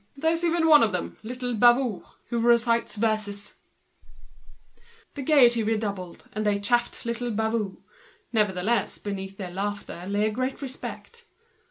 There's even one of them, little Bavoux, who recites verses." The gaiety redoubled, they chaffed little Bavoux, but still beneath this laughter there lay a great respect.